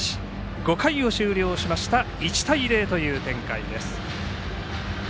５回を終了しまして１対０という展開です。